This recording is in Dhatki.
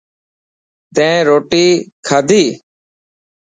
تين روتي کاڌي.